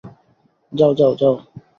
যাও যাও যাও!